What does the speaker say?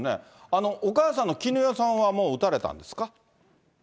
お母さんのキヌヨさんは打たれたんですか？